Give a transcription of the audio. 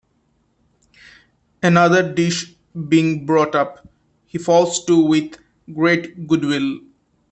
Another dish being brought up, he falls to with great goodwill.